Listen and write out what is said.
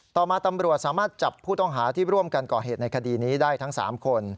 ต่อมาตำรวจสามารถจับผู้ต้องหาที่ร่วมกันก่อเหตุในคดีนี้ได้ทั้ง๓คน